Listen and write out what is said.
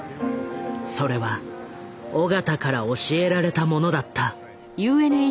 それは緒方から教えられたものだった。